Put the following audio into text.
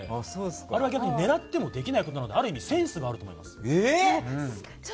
あれは逆に狙ってもできないことなのである意味センスがあると思います。